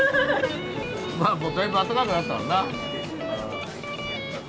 まあもうだいぶあったかくなったからな。